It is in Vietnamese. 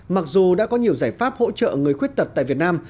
mặc dù đã có nhiều giải pháp hỗ trợ người khuyết tật tại việt nam